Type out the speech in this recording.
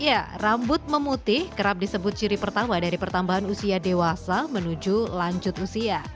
ya rambut memutih kerap disebut ciri pertama dari pertambahan usia dewasa menuju lanjut usia